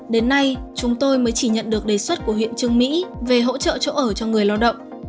đến nay chúng tôi mới chỉ nhận được đề xuất của huyện trương mỹ về hỗ trợ chỗ ở cho người lao động